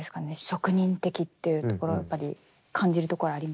職人的っていうところはやっぱり感じるところはありますか？